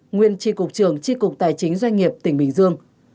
nguyên tri cục trường tri cục tài chính doanh nghiệp tỉnh bình dương